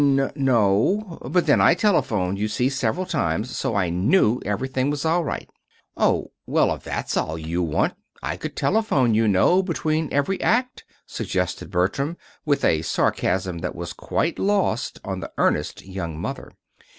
"N no; but then I telephoned, you see, several times, so I knew everything was all right." "Oh, well, if that's all you want, I could telephone, you know, between every act," suggested Bertram, with a sarcasm that was quite lost on the earnest young mother.